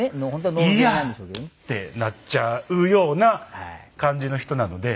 いいや！ってなっちゃうような感じの人なので。